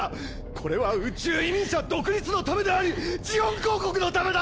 これは宇宙移民者独立のためでありジオン公国のためだ！